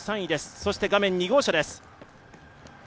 そして画面２号車です。